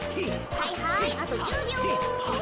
はいはいあと１０びょう。